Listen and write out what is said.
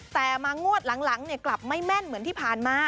แต่มางวดหลังกลับไม่แม่นเหมือนที่ผ่านมา